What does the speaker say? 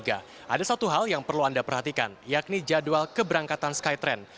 ada satu hal yang perlu anda perhatikan yakni jadwal keberangkatan skytrain